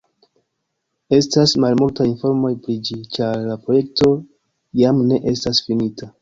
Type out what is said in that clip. Estas malmultaj informoj pri ĝi, ĉar la projekto jam ne estas finita.